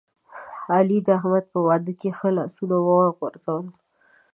علی د احمد په واده کې ښه لاسونه وغورځول.